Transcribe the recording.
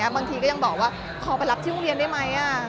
บางทีก็ยังบอกว่าขอไปรับที่โรงเรียนได้ไหม